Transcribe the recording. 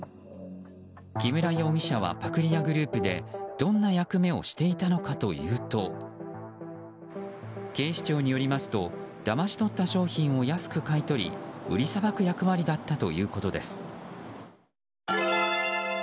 木村容疑者はパクリ屋グループでどんな役目をしていたのかというと警視庁によりますとだまし取った商品を安く買い取り売りさばく役割だったということです。